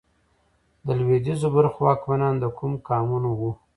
د لوېدیځو برخو واکمنان د کوم قامونه وو؟